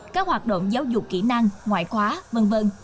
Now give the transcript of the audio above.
các hoạt động giáo dục kỹ năng ngoại khóa v v